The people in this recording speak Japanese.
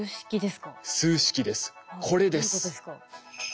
これです。